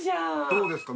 どうですか？